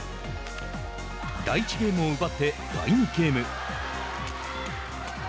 第１ゲームを奪って、第２ゲーム。